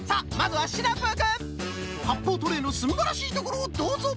はっぽうトレーのすんばらしいところをどうぞ！